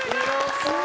すごい！